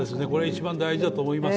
一番大事だと思います。